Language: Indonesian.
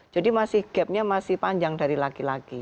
jadi gapnya masih panjang dari laki laki